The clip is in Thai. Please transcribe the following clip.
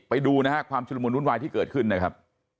ไปดูนะฮะความชุดละมุนวุ่นวายที่เกิดขึ้นนะครับ